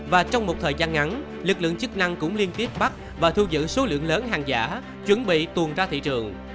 và trong một thời gian ngắn lực lượng chức năng cũng liên tiếp bắt và thu giữ số lượng lớn hàng giả chuẩn bị tuồn ra thị trường